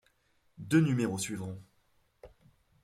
Deux numéros suivront.